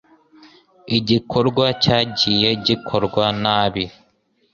igikorwa cyagiye gikorwa nabi